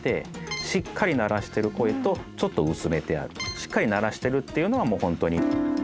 しっかり鳴らしてるというのはもうホントに。